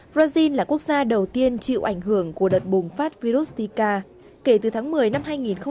brazil là quốc gia đầu tiên chịu ảnh hưởng của đợt bùng phát virus zika kể từ tháng một mươi năm